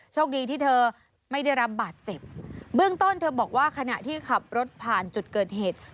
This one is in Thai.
โชคดีที่เธอไม่ได้รับบาดเจ็บเบื้องต้นเธอบอกว่าขณะที่ขับรถผ่านจุดเกิดเหตุ